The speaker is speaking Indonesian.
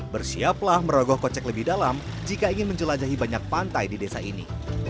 bersiaplah merogoh kocek lebih dalam jika ingin menjelajahi banyak pantai di desa ini